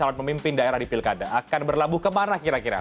dan calon pemimpin daerah di pilkada akan berlabuh kemana kira kira